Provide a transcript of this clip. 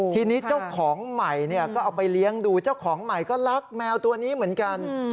ทีนี้เจ้าของใหม่ก็เอาไปเลี้ยงดูเจ้าของใหม่ก็รักแมวตัวนี้เหมือนกัน